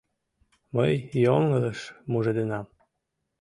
— Мый йоҥылыш мужедынам.